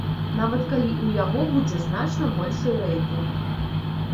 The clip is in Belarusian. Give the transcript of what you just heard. Нават калі ў яго будзе значна большы рэйтынг.